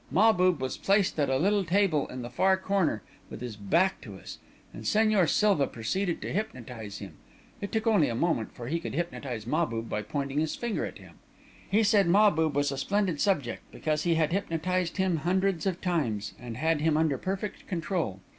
Mahbub was placed at a little table in the far corner, with his back to us, and Señor Silva proceeded to hypnotise him. It took only a moment, for he could hypnotise Mahbub by pointing his finger at him. He said Mahbub was a splendid subject, because he had hypnotised him hundreds of times, and had him under perfect control.